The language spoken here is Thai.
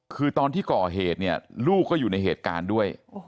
คือตอนที่ก่อเหตุเนี่ยลูกก็อยู่ในเหตุการณ์ด้วย